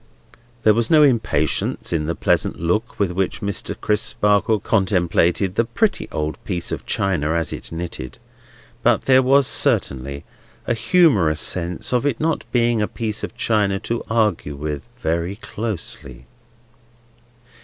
There was no impatience in the pleasant look with which Mr. Crisparkle contemplated the pretty old piece of china as it knitted; but there was, certainly, a humorous sense of its not being a piece of china to argue with very closely.